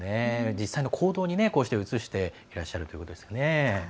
実際の行動に移していらっしゃるということですね。